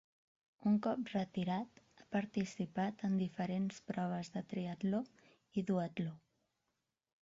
Un cop retirat ha participat en diferents proves de triatló i duatló.